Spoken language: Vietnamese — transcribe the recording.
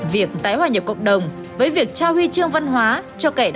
việc tái hòa nhập cộng đồng với việc trao huy chương văn hóa cho kẻ đắt tù